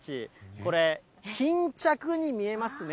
これ、巾着に見えますね。